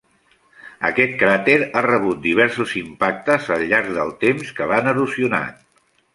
Aquest cràter ha rebut diversos impactes al llarg del temps que l'han erosionat.